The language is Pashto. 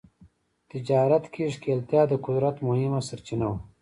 تجارت کې ښکېلتیا د قدرت یوه مهمه سرچینه وه.